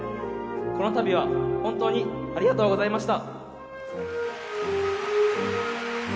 このたびは、本当にありがとうございました。